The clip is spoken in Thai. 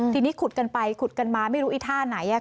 ทีนี้ขุดกันไปขุดกันมาไม่รู้ไอ้ท่าไหน